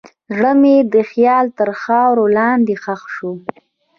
زړه مې د خیال تر خاورو لاندې ښخ شو.